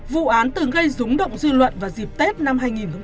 vụ án từng gây rúng động dư luận vào dịp tết năm hai nghìn một mươi chín